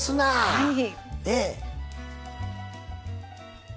はい。